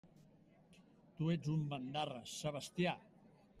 Tu ets un bandarra, Sebastià!